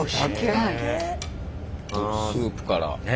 スープから。